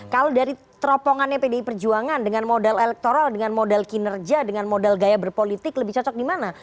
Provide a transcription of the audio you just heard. kalau dari teropongannya pdi perjuangan dengan modal elektoral dengan modal kinerja dengan modal gaya berpolitik lebih cocok di mana